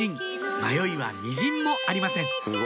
迷いはみじんもありません